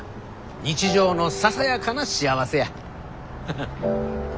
日常のささやかな幸せや。ははっ。